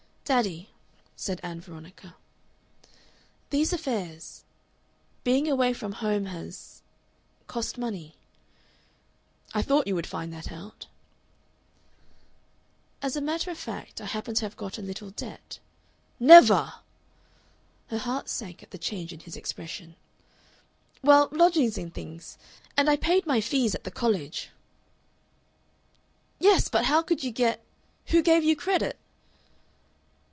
"Daddy," said Ann Veronica, "these affairs being away from home has cost money." "I thought you would find that out." "As a matter of fact, I happen to have got a little into debt." "NEVER!" Her heart sank at the change in his expression. "Well, lodgings and things! And I paid my fees at the College." "Yes. But how could you get Who gave you credit?